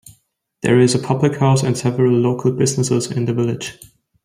There is a public house and several local businesses in the village.